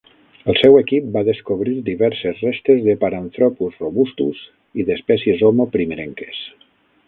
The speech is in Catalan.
El seu equip va descobrir diverses restes de "Paranthropus robustus" i d'espècies "Homo" primerenques.